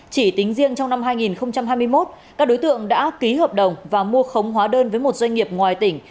chỉ tính riêng trong năm hai nghìn hai mươi một các đối tượng đã ký hợp đồng và mua khống hóa đơn với một doanh nghiệp ngoài tỉnh